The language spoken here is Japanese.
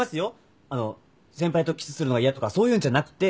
あの先輩とキスするのが嫌とかそういうんじゃなくて。